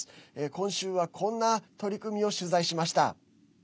今週は、こんな取り組みを取材しました。